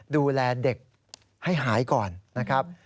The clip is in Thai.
ดูแลเด็กให้หายก่อนนะครับ